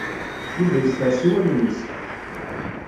Yuba issers i wallen-is.